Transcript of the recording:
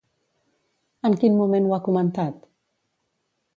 En quin moment ho ha comentat?